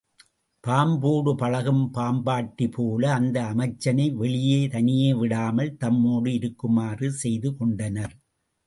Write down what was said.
பாம்போடு பழகும் பாம்பாட்டி போல அந்த அமைச்சனை வெளியே தனியே விடாமல் தம்மோடு இருக்குமாறு செய்து கொண்டனர்.